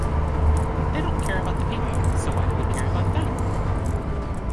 They don't care about the people, so why do we care about them?